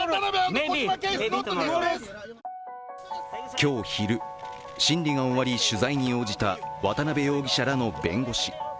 今日昼、審理が終わり取材に応じた渡辺容疑者らの弁護士。